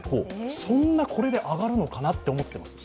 そんな、これで上がるのかなと思ってるんです。